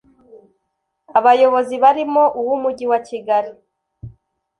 Abayobozi barimo uw’Umujyi wa Kigali